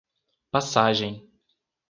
Passagem